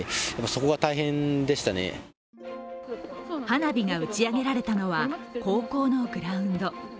花火が打ち上げられたのは高校のグラウンド。